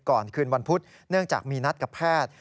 คืนวันพุธเนื่องจากมีนัดกับแพทย์